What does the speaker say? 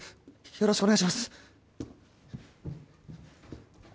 よろしくお願いします